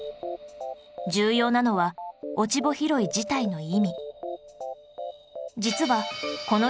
重要なのは落ち穂拾い自体の意味